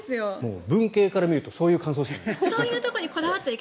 文系から見るとそういう感想しかないです。